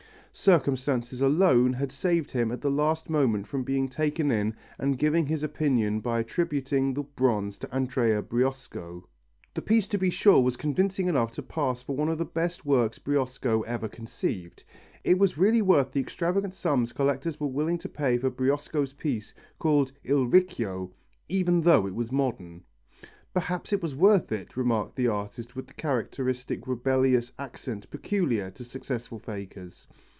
Circumstances alone had saved him at the last moment from being taken in and giving his opinion by attributing the bronze to Andrea Briosco. The piece to be sure was convincing enough to pass for one of the best works Briosco ever conceived. It was really worth the extravagant sums collectors are willing to pay for Briosco's piece, called il Riccio, even though it was modern. "Perhaps it was worth it," remarked the artist with the characteristic rebellious accent peculiar to successful fakers.